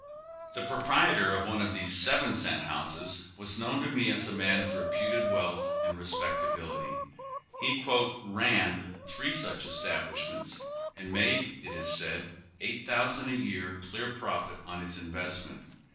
Tiie proprietor of one of these seven cent houses was known to nie as a man of reputed wealth and respecta bility. He "ran" three such establishments and made, it was said, $8,000 a year clear profit on his investment.